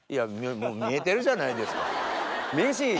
もう見えてるじゃないですか。